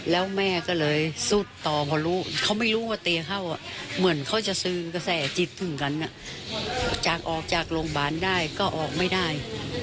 แล้วแม่ก็เลยสุดต่อพอรู้เขาไม่รู้ว่าเตียเข้าเหมือนเขาจะซืนกระแสจิตถึงกันจากออกจากโรงพยาบาลได้ก็ออกไม่ได้